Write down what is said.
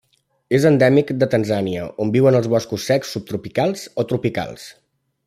És endèmic de Tanzània, on viu en els boscos secs subtropicals o tropicals.